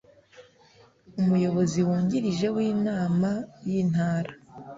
Amuyobozi wungirije w inama y intara